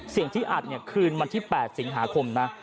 เสียงที่อัดคืนวันที่๘สิงหาคมนะ